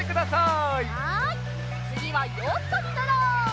はいつぎはヨットにのろう！